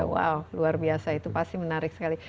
wow luar biasa itu pasti menarik sekali